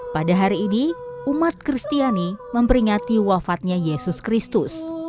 pada hari ini umat kristiani memperingati wafatnya yesus kristus